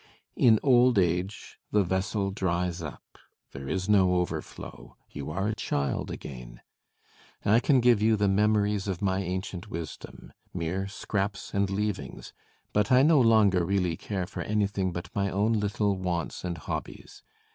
In old age the vessel dries up: there is no overflow: you are a child again. I can give you the memories of my ancient wisdom: mere scraps and leavings; but I no longer really care for anything but my own little wants and hobbies.